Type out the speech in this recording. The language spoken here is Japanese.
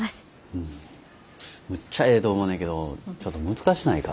うんむっちゃええと思うねけどちょっと難しないか？